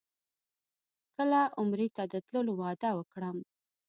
کله عمرې ته د تللو وعده وکړم.